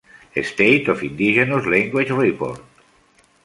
State of Indigenous Language Report